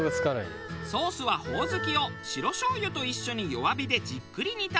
ソースはホオズキを白醤油と一緒に弱火でじっくり煮た